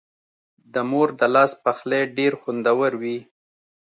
د مور د لاس پخلی ډېر خوندور وي.